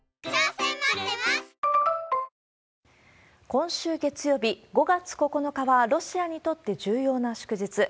今週月曜日５月９日はロシアにとって重要な祝日。